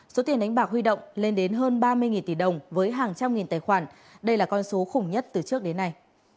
số tiền đánh bạc huy động lên đến hơn ba mươi tỷ đồng với hàng trăm nghìn tài khoản đây là con số khủng nhất từ trước đến nay